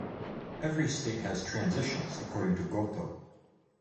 Every state has transitions according to Goto.